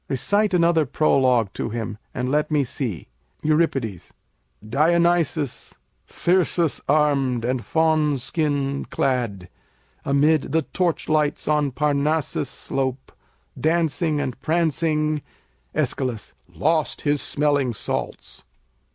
Recite another prologue to him and let me see. Eur. Dionysus, thyrsus armed and faun skin clad, Amid the torchlights on Parnassus's slope Dancing and prancing Æsch. lost his smelling salts.